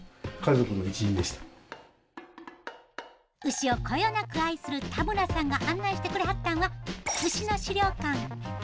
牛をこよなく愛する田村さんが案内してくれはったんは牛の資料館。